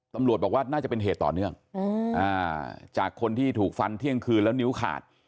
ตำรวจบอกว่าน่าจะเป็นเหตุต่อเนื่องจากคนที่ถูกฟันเที่ยงคืนแล้วนิ้วขาด